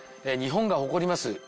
日本が誇ります